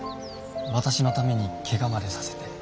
私のためにけがまでさせて。